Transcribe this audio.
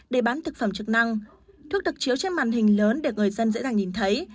để bán thực phẩm chức năng thuốc được chiếu trên màn hình lớn để người dân dễ dàng nhìn thấy